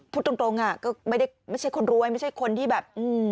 พูดตรงอ่ะก็ไม่ใช่คนรวยไม่ใช่คนที่แบบ